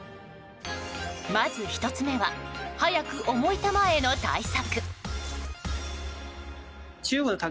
まず１つ目は速く重い球への対策。